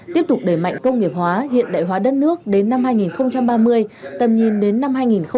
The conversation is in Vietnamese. tiếp tục đẩy mạnh công nghiệp hóa hiện đại hóa đất nước đến năm hai nghìn ba mươi tầm nhìn đến năm hai nghìn bốn mươi năm